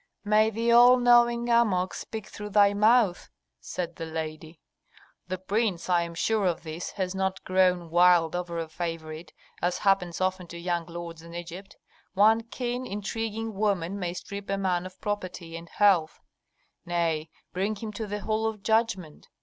"May the all knowing Amon speak through thy mouth," said the lady. "The prince, I am sure of this, has not grown wild over a favorite, as happens often to young lords in Egypt. One keen, intriguing woman may strip a man of property and health, nay, bring him to the hall of judgment.